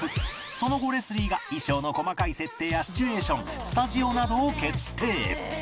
その後レスリーが衣装の細かい設定やシチュエーションスタジオなどを決定